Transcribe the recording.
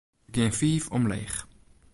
Gean fiif omleech.